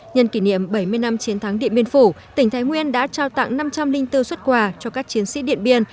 nhân kỷ niệm bảy mươi năm chiến thắng điện biên phủ tỉnh thái nguyên đã trao tặng năm trăm linh bốn xuất quà cho các chiến sĩ điện biên